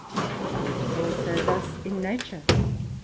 For it is also thus in nature.